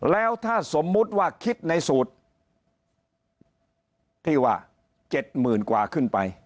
แล้วถ้าสมมุติว่าคิดในสูตรที่ว่า๗๐๐๐กว่าขึ้นไป